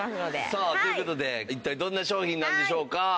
さあという事で一体どんな商品なんでしょうか？